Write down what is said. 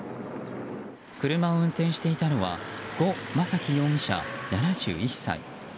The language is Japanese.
車を運転していたのは呉昌樹容疑者、７１歳。